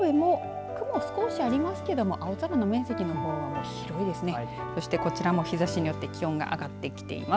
神戸も雲少しありますけれども青空の面積のほうが広いですね。